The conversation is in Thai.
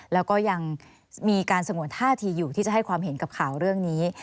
แล้วก็ยังมีการสงวนท่าทีอยู่ที่จะให้ความเห็นกับข่าวเรื่องนี้